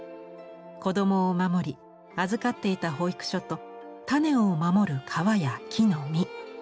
子供を守り預かっていた保育所と種を守る皮や木の実。